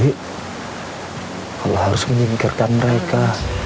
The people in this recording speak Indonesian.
kalau harus menyingkirkan mereka